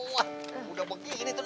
wah udah begini tuh